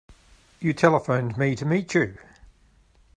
You telephoned me to meet you.